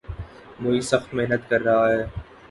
معیز سخت محنت کر رہا ہے